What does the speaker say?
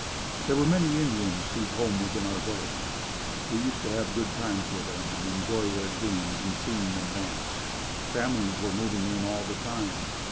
There were many Indians whose home was in our village. We used to have good times with them and enjoyed their games and seeing them dance. Families were moving in all the time.